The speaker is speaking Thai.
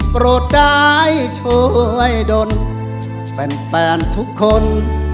โปรดได้ช่วยดนแฟนทุกคน